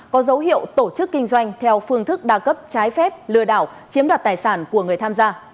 có dấu hiệu tổ chức kinh doanh theo phương thức đa cấp trái phép lừa đảo chiếm đoạt tài sản của người tham gia